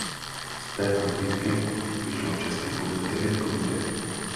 Z této sbírky vyšlo česky pouze devět povídek.